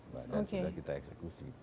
dan sudah kita eksekusi